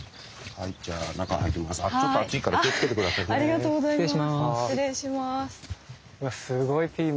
はい。